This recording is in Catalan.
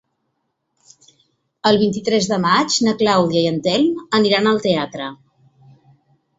El vint-i-tres de maig na Clàudia i en Telm aniran al teatre.